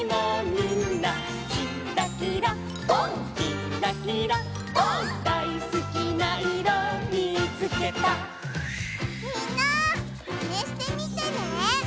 みんなまねしてみてね！